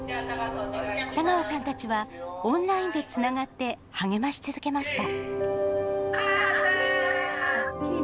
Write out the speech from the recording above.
田川さんたちはオンラインでつながって、励まし続けました。